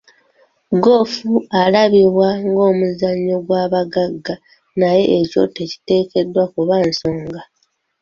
Ggoofu alabibwa ng'omuzannyo ogw'abagagga naye ekyo tekiteekeddwa kuba nsonga.